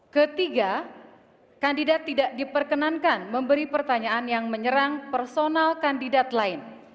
ketiga kandidat tidak diperkenankan memberi pertanyaan yang menyerang personal kandidat lain